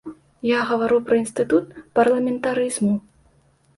Я гавару пра інстытут парламентарызму.